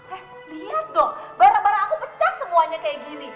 eh lihat dong barang barang aku pecah semuanya kayak gini